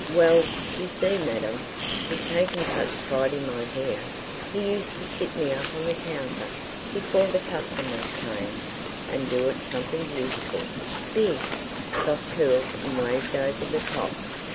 ... Well, you see, madam, he'd taken such pride in my hair. He used to sit me up on the counter, before the customers came, and do it something beautiful—big, soft curls and waved over the top.